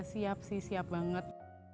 siap sih siap banget